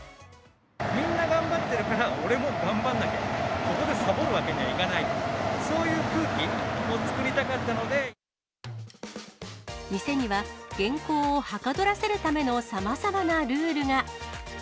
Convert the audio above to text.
みんな頑張ってるから、俺も頑張らなきゃ、ここでさぼるわけにはいかない、そういう空気店には原稿をはかどらせるためのさまざまなルールが。